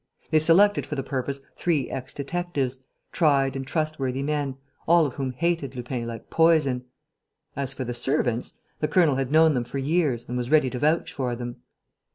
They selected for the purpose three ex detectives, tried and trustworthy men, all of whom hated Lupin like poison. As for the servants, the colonel had known them for years and was ready to vouch for them.